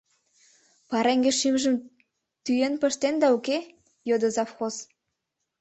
— Пареҥге шӱмжым тӱен пыштенда, уке? — йодо завхоз.